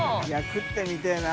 食ってみてぇな。